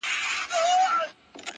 دعا “ دعا “ دعا “دعا كومه”